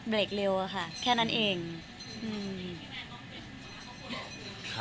ครอบครัวมีน้องเลยก็คงจะอยู่บ้านแล้วก็เลี้ยงลูกให้ดีที่สุดค่ะ